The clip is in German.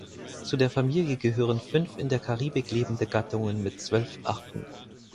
Zu der Familie gehören fünf in der Karibik lebende Gattungen mit zwölf Arten.